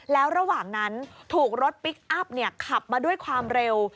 แล้วระหว่างนั้นถูกรถพลิกอัพขับมาด้วยความเร็ว